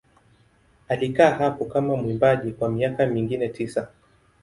Alikaa hapo kama mwimbaji kwa miaka mingine tisa.